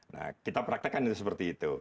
nah kita praktekkan itu seperti itu